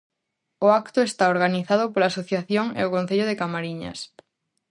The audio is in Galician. O acto está organizado pola asociación e o concello de Camariñas.